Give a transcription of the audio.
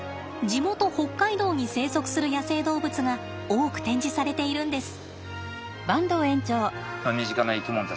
地元北海道に生息する野生動物が多く展示されているんです。